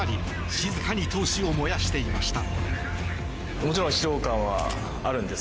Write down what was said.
静かに闘志を燃やしていました。